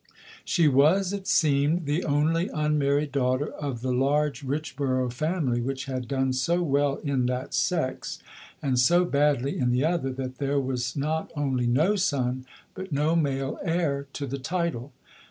She was, it seemed, the only unmarried daughter of the large Richborough family which had done so well in that sex, and so badly in the other that there was not only no son, but no male heir to the title.